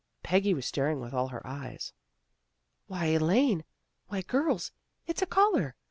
Peggy was staring with all her eyes. " Why, Elaine! Why, girls! It's a collar.